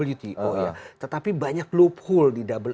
wto ya tetapi banyak loophole